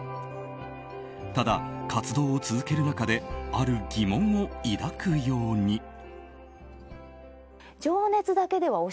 ただ活動を続ける中である疑問を抱くように。